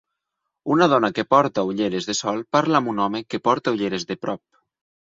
Una dona que porta ulleres de sol parla amb un home que porta ulleres de prop.